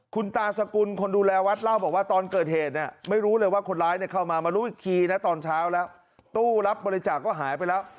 คุณตาสกุลคนดูแลวัดเล่าบอกว่าตอนเกิดเหตุไม่รู้เลยว่าคนร้ายเข้ามามารู้อีกทีนะตอนเช้าแล้ว